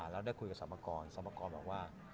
แล้วได้คุยกับสมัครกรสมัครแบบว่า